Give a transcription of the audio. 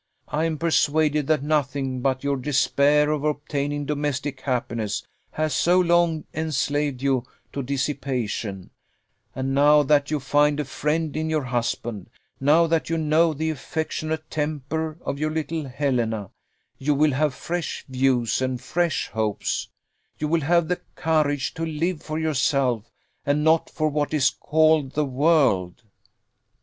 I am persuaded that nothing but your despair of obtaining domestic happiness has so long enslaved you to dissipation; and now that you find a friend in your husband, now that you know the affectionate temper of your little Helena, you will have fresh views and fresh hopes; you will have the courage to live for yourself, and not for what is called the world."